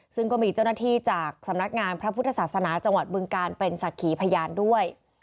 ซึ่งก็มีเจ้าหน้าที่จากสำนักงานพระพุทธศาสนาจังหวัดบึงการเป็นศักดิ์ขีพยานด้วย